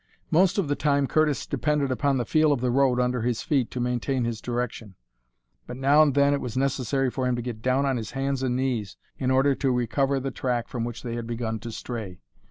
Most of the time Curtis depended upon the feel of the road under his feet to maintain his direction, but now and then it was necessary for him to get down on his hands and knees in order to recover the track from which they had begun to stray.